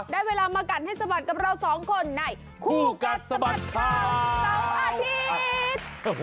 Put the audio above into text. ได้เวลามากัดให้สะบัดกับเราสองคนในคู่กัดสะบัดข่าวเสาร์อาทิตย์